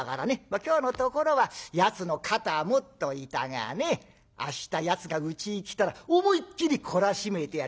今日のところはやつの肩持っといたがね明日やつがうちに来たら思いっきり懲らしめてやる。